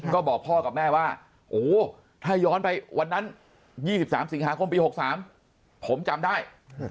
ก็บอกพ่อกับแม่ว่าโอ้โหถ้าย้อนไปวันนั้น๒๓สิงหาคมปี๖๓ผมจำได้